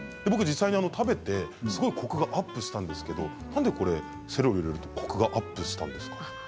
実際に食べてすごいコクがアップしたんですけどなんでこれ、セロリを入れるとコクがアップしたんですか。